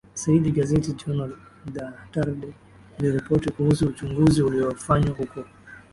zaidi Gazeti Jornal da Tarde liliripoti kuhusu uchunguzi uliofanywa huko